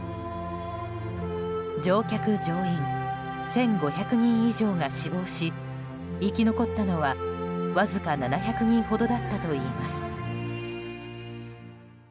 乗客・乗員１５００人以上が死亡し生き残ったのはわずか７００人ほどだったといいます。